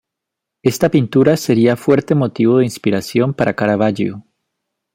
Esta pintura sería fuerte motivo de inspiración para Caravaggio.